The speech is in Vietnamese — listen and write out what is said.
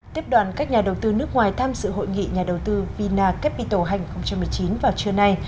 tiếp đoàn các nhà đầu tư nước ngoài tham dự hội nghị nhà đầu tư vinacapital hai nghìn một mươi chín vào trưa nay